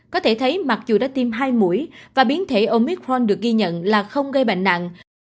có thể thấy mặc dù đã tiêm hai mũi và biến thể omitforn được ghi nhận là không gây bệnh nặng